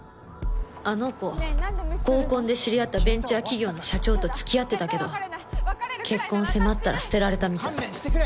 あの子合コンで知り合ったベンチャー企業の社長と付き合ってたけど結婚を迫ったら捨てられたみたい。